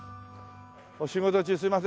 お仕事中すいません。